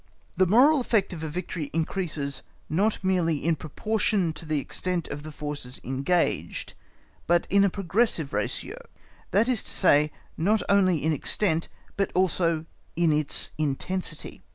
The moral effect of a victory increases, not merely in proportion to the extent of the forces engaged, but in a progressive ratio—that is to say, not only in extent, but also in its intensity.